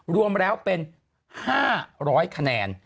รวมแล้วเป็น๕๐๐คะแนน